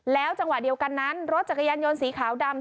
จังหวะเดียวกันนั้นรถจักรยานยนต์สีขาวดำ